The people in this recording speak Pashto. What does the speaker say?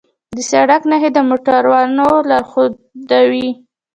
د سړک نښې د موټروانو لارښودوي.